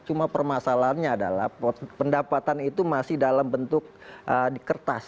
cuma permasalahannya adalah pendapatan itu masih dalam bentuk di kertas